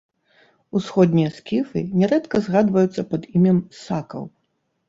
Усходнія скіфы нярэдка згадваюцца пад імем сакаў.